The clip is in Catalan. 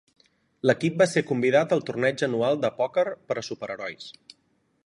L'equip va ser convidat al torneig anual de pòquer per a superherois.